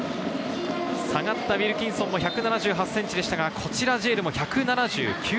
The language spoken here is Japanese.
ウィルキンソンも１７８ｃｍでしたが、ジェールも１７９ｃｍ。